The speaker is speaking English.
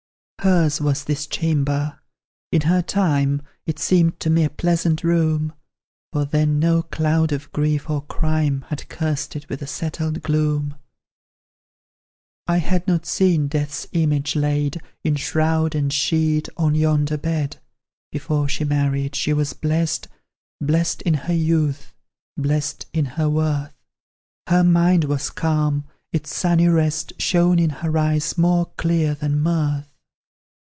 Hers was this chamber; in her time It seemed to me a pleasant room, For then no cloud of grief or crime Had cursed it with a settled gloom; I had not seen death's image laid In shroud and sheet, on yonder bed. Before she married, she was blest Blest in her youth, blest in her worth; Her mind was calm, its sunny rest Shone in her eyes more clear than mirth.